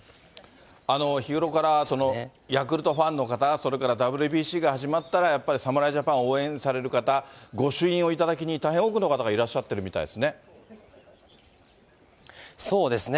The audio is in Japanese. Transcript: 日頃から、ヤクルトファンの方、それからＷＢＣが始まったら、やっぱり侍ジャパンを応援される方、御朱印を頂きに大変多くの方そうですね。